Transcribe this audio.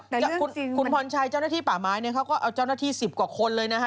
อย่างคุณพรชัยเจ้าหน้าที่ป่าไม้เนี่ยเขาก็เอาเจ้าหน้าที่๑๐กว่าคนเลยนะฮะ